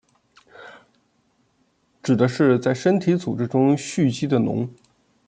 指的是在身体组织中蓄积的脓。